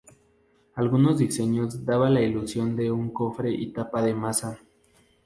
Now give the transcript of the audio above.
Algunos diseños daban la ilusión de un cofre y tapa de masa.